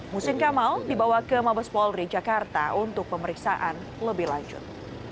musin kamal dibawa ke mabes polri jakarta untuk pemeriksaan lebih lanjut